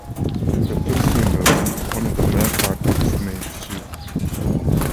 In the film "Swingers", one of the male characters is named Sue.